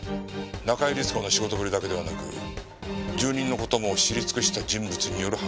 中井律子の仕事ぶりだけではなく住人の事も知り尽くした人物による犯行だ。